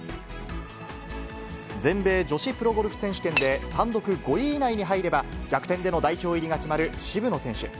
全米女子プロゴルフ選手権で、単独５位以内に入れば、逆転での代表入りが決まる渋野選手。